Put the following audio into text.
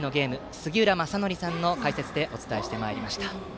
杉浦正則さんの解説でお伝えしてまいりました。